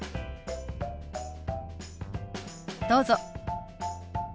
どうぞ。